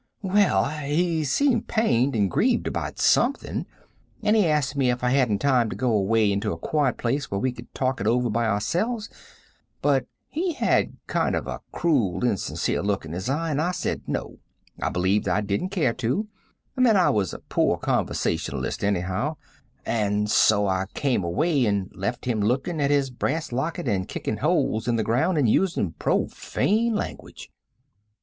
"Well, he seemed pained and grieved about something, and he asked me if I hadn't time to go away into a quiet place where we could talk it over by ourselves; but he had a kind of a cruel, insincere look in his eye, and I said no, I believed I didn't care to, and that I was a poor conversationalist, anyhow; and so I came away, and left him looking at his brass locket and kicking holes in the ground and using profane language.